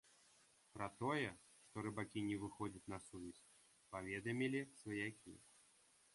Пра тое, што рыбакі не выходзяць на сувязь, паведамілі сваякі.